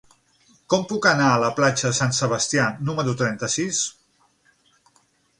Com puc anar a la platja Sant Sebastià número trenta-sis?